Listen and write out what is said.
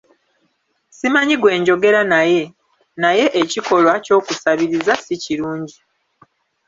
Simanyi gwe njogera naye, naye ekikolwa ky'okusabiriza si kirungi.